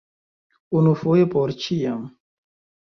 Unufoje por ĉiam!